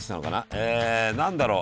え何だろう？